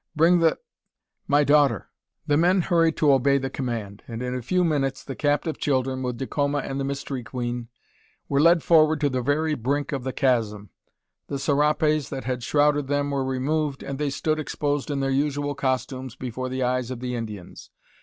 Bring the my daughter!" The men hurried to obey the command; and in a few minutes the captive children, with Dacoma and the Mystery Queen, were led forward to the very brink of the chasm. The serapes that had shrouded them were removed, and they stood exposed in their usual costumes before the eyes of the Indians.